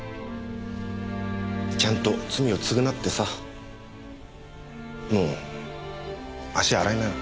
ちゃんと罪を償ってさもう足洗いなよ。